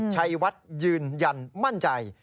ชัยวัดยืนยันมั่นใจ